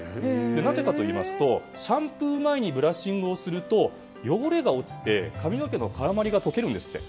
なぜかといいますとシャンプー前にブラッシングをすると汚れが落ちて髪の毛の絡まりが解けるんですって。